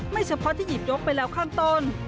เฉพาะที่หยิบยกไปแล้วข้างต้น